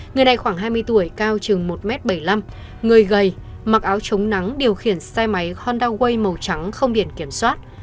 người này khoảng hai mươi tuổi cao chừng một m bảy mươi năm người gầy mặc áo chống nắng điều khiển xe máy honda way màu trắng không biển kiểm soát